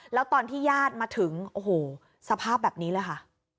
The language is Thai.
แล้วตอนที่ญาติมาถึงโอ้โหสภาพแบบนี้เลยค่ะ